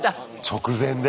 直前で？